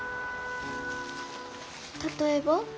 例えば？